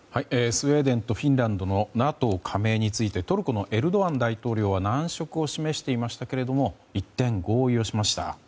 スウェーデンとフィンランドのＮＡＴＯ加盟についてトルコのエルドアン大統領は難色を示していましたけれど一転、合意をしました。